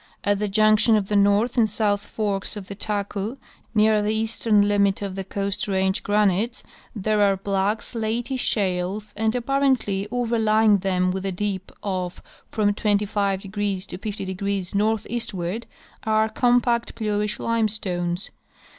At the junction of the North and South forks of the Taku, near the eastern limit of the Coast Range granites, there are black slaty shales and, apparently overlying them with a clip of from 25° to 50° north eastward, are compact bluish limestones.